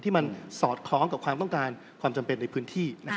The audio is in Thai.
ที่มันสอดคล้องกับความต้องการความจำเป็นในพื้นที่